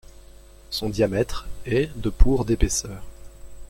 Son diamètre est de pour d'épaisseur.